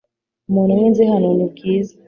Umuntu umwe nzi hano ni Bwiza .